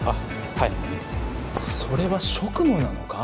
はいそれは職務なのか？